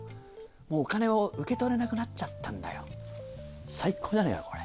もうお金を受け取れなくなっちゃったんだよ。